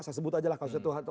saya sebut aja lah kasusnya